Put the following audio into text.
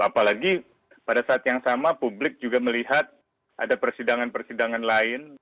apalagi pada saat yang sama publik juga melihat ada persidangan persidangan lain